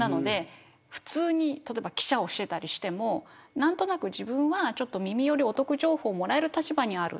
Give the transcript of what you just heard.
普通に記者をしていたりしても何となく、自分は耳よりお得情報をもらえる立場にある。